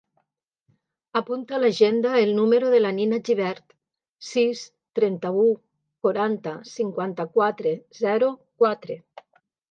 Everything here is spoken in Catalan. Apunta a l'agenda el número de la Nina Gibert: sis, trenta-u, quaranta, cinquanta-quatre, zero, quatre.